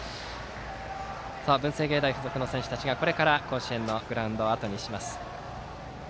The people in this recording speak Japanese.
文星芸大付属の選手たちがこれから甲子園のグラウンドをあとにします。